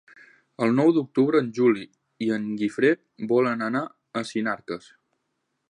El nou d'octubre en Juli i en Guifré volen anar a Sinarques.